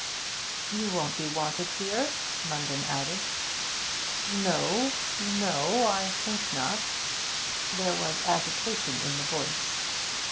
'You won't be wanted here?' Munden added. 'No no I think not.' There was agitation in the voice.